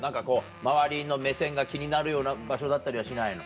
周りの目線が気になるような場所だったりはしないの？